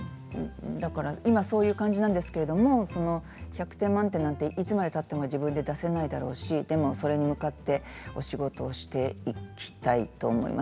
今、そういう感じなんですけど１００点満点なんていつまでたっても自分で出せないだろうしでもそれに向かってお仕事をしていきたいと思います。